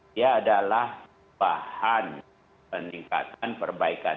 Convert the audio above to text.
dia adalah bahan peningkatan perbaikan